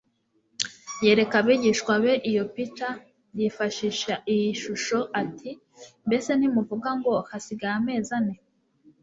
Yereka abigishwa be iyo pica, yifashisha iyi shusho ati: «mbese ntimuvuga ngo: Hasigaye amezi ane